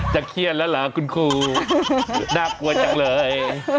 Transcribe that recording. เครียดแล้วเหรอคุณครูน่ากลัวจังเลย